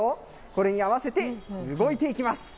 これに合わせて動いていきます。